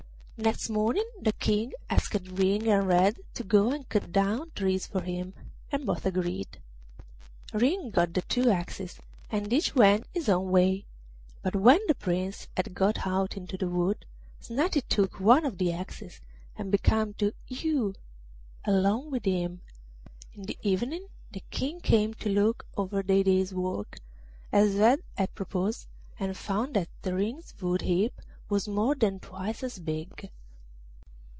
Next morning the King asked Ring and Red to go and cut down trees for him, and both agreed. Ring got the two axes, and each went his own way; but when the Prince had got out into the wood Snati took one of the axes and began to hew along with him. In the evening the King came to look over their day's work, as Red had proposed, and found that Ring's wood heap was more than twice as big.